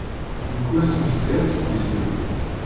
Mkul asemekti ad tt-id yesru.